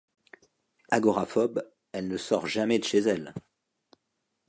Agoraphobe, elle ne sort jamais de chez elle.